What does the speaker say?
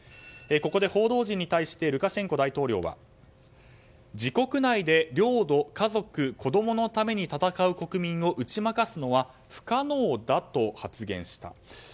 ここで報道陣に対してルカシェンコ大統領は、自国内で領土、家族、子供のために戦う国民を打ち負かすのは不可能だと発言した。